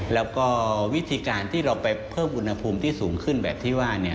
แล้วก็วิธีการที่เราไปเพิ่มอุณหภูมิที่สูงขึ้นแบบที่ว่า